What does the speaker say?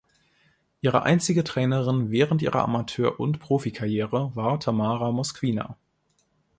Ihre einzige Trainerin während ihrer Amateur- und Profikarriere war Tamara Moskwina.